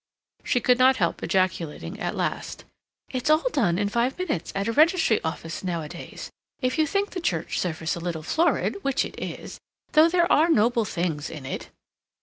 She could not help ejaculating at last: "It's all done in five minutes at a Registry Office nowadays, if you think the Church service a little florid—which it is, though there are noble things in it."